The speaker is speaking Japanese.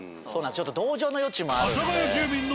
ちょっと同情の余地もあるので。